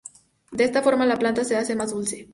De esta forma la planta se hace más dulce.